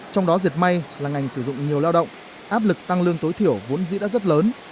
trong đó diệt may là ngành sử dụng nhiều lao động áp lực tăng lương tối thiểu vốn dĩ đã rất lớn